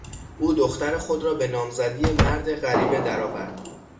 او دختر خود را به نامزدی مرد غریبه درآورد.